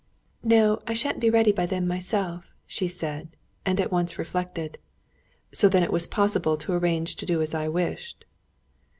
"No, I shan't be ready by then myself," she said; and at once reflected, "so then it was possible to arrange to do as I wished."